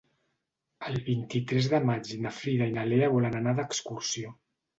El vint-i-tres de maig na Frida i na Lea volen anar d'excursió.